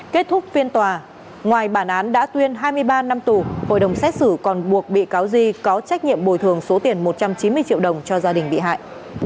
kết thúc phiên tòa ngoài bản án đã tuyên hai mươi ba năm tù hội đồng xét xử còn buộc bị cáo di có trách nhiệm bồi thường số tiền một trăm chín mươi triệu đồng cho gia đình bị hại